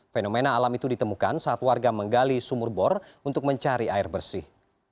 fenomena alam itu ditemukan saat warga menggali sumur bor untuk mencari air bersih